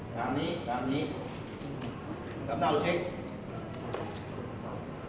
ตามนี้สำนักเอาเช็ค